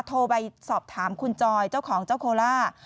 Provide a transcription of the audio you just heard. โทรไปสอบถามคุณจอยเจ้าของเจ้าโคล่า